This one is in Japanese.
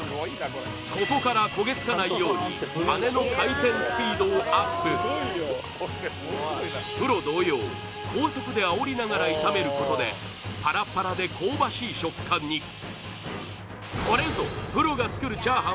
ここから焦げつかないように羽根のプロ同様高速であおりながら炒めることでパラパラで香ばしい食感にこれぞ